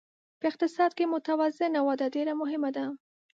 په اقتصاد کې متوازنه وده ډېره مهمه ده.